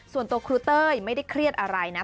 ส่วนตัวครูเต้ยไม่ได้เครียดอะไรนะ